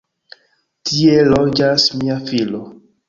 Tie loĝas mia filo.